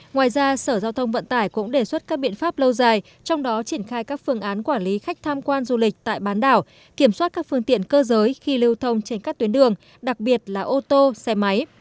ngoài ra sở giao thông vận tải cũng đề xuất các biện pháp lâu dài trong đó triển khai các phương án quản lý khách tham quan du lịch tại bán đảo kiểm soát các phương tiện cơ giới khi lưu thông trên các tuyến đường đặc biệt là ô tô xe máy